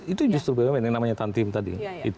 itu justru bumn yang namanya tantim tadi